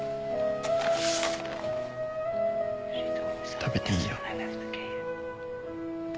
食べていいよ。